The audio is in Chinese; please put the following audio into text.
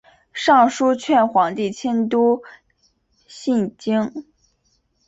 上书劝皇帝迁都汴京。